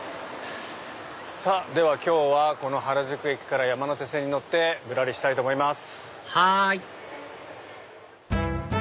では今日はこの原宿駅から山手線に乗ってぶらりしたいと思います。